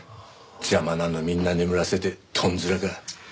邪魔なのみんな眠らせてとんずらか。